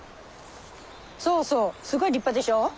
そうそうすごい立派でしょ？